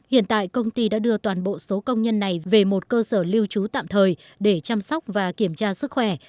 hiện tại công ty đã đưa toàn bộ số công nhân này về một cơ sở lưu trú tạm thời để chăm sóc và kiểm tra sức khỏe